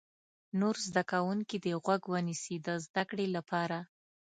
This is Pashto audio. نور زده کوونکي دې غوږ ونیسي د زده کړې لپاره.